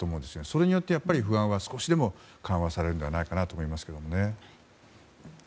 それによって不安が少しでも緩和されるのではと思います。